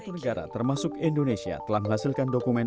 dua puluh satu negara termasuk indonesia telah menghasilkan dokumen